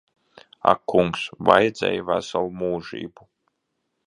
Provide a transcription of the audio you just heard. Ak kungs. Vajadzēja veselu mūžību.